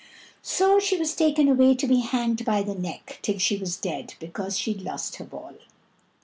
So she was taken away to be hanged by the neck till she was dead because she'd lost her ball.